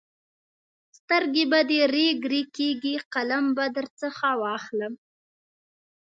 سترګې به دې رېګ رېګ کېږي؛ قلم به درڅخه واخلم.